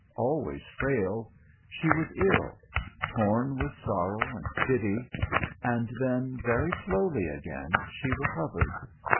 Always frail, she was ill torn with sorrow and pity and then, very slowly again, she recovered.